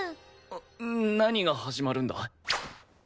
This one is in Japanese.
何が始まるんだ？